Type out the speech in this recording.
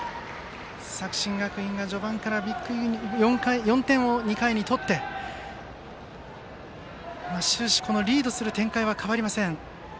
作新学院が４点を２回に取って終始、リードする展開は変わりません。